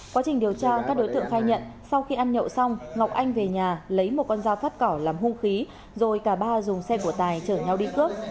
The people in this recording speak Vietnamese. quá trình điều tra các đối tượng khai nhận sau khi ăn nhậu xong ngọc anh về nhà lấy một con dao phát cỏ làm hung khí rồi cả ba dùng xe của tài chở nhau đi cướp